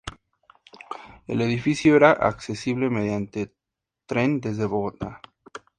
El edificio era accesible mediante tren desde Bogotá.